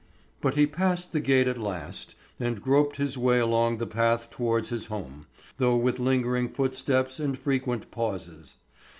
But he passed the gate at last, and groped his way along the path towards his home, though with lingering footsteps and frequent pauses.